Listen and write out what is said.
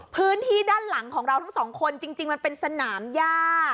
พื้นที่ด้านหลังของเราทั้งสองคนจริงมันเป็นสนามย่า